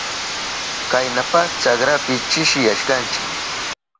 Kaynapas chakrapi chishiyashkanchi.